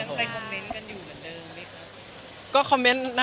ไปคอมเมนต์กันอยู่เหมือนเดิมไหมคะ